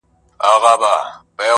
ستا د رخسار خبري ډيري ښې دي.